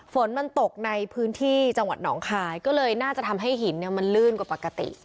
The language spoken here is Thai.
ฝนมันตกในพื้นที่จังหวัดหนองคายก็เลยน่าจะทำให้หินเนี่ยมันลื่นกว่าปกติ